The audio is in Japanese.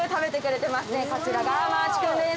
こちらがマーチ君です。